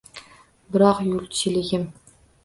Biroq yulchiligim…